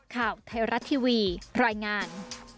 ข่าวไทยรัฐทีวีรายงาน